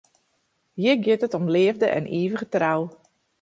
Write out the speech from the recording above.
Hjir giet it om leafde en ivige trou.